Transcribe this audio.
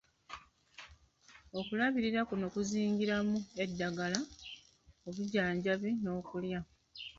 Okulabirira kuno kuzingiramu eddagala, obujjanjabi n'okulya.